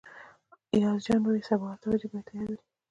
ایاز جان وايي سبا اته بجې باید تیار وئ.